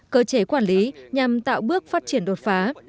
cơ chế quản lý nhằm tạo bước phát triển đột phá